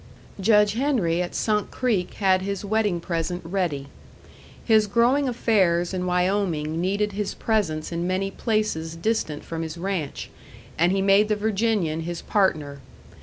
Judge Henry at Sunk Creek had his wedding present ready. His growing affairs in Wyoming needed his presence in many places distant from his ranch, and he made the Virginian his partner.